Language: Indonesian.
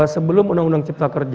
sebelum uu ck